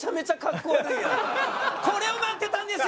「これを待ってたんですよ！」